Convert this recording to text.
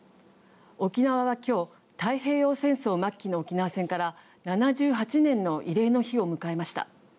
沖縄は今日太平洋戦争末期の沖縄戦から７８年の慰霊の日を迎えました。